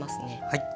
はい。